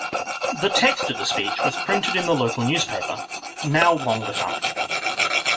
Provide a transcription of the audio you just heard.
The text of the speech was printed in the local newspaper, now long-defunct.